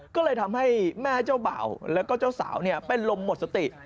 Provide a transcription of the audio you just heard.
ก็เลยทำให้แม่เจ้าเบาแล้วก็เจ้าสาวเป็นลมหมดสติ